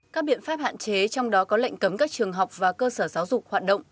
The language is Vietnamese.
các biện pháp hạn chế trong đó có lệnh cấm các trường học và cơ sở giáo dục hoạt động